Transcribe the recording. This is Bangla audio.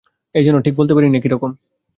এ যেন– ঠিক বলতে পারি নে কী রকম।